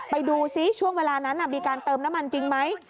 ไปดูซิช่วงเวลานั้นมีการเติมน้ำมันจริงไหม